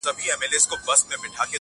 • چي وژلی یې د بل لپاره قام وي -